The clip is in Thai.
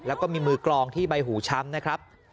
แล้วก็มีมือกรองที่ใบหูช้ำนะครับ